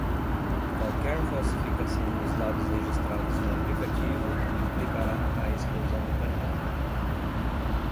Qualquer falsificação nos dados registrados no aplicativo implicará a exclusão do candidato.